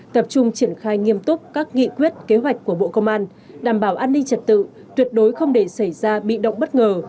tập trung triển khai nghiêm túc các nghị quyết kế hoạch của bộ công an đảm bảo an ninh trật tự tuyệt đối không để xảy ra bị động bất ngờ